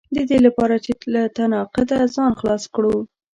د دې لپاره چې له تناقضه ځان خلاص کړو.